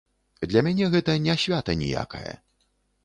Для мяне гэта не свята ніякае.